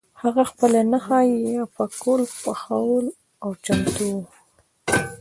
هغه خپله نښه یا پکول پخول او چمتو وو.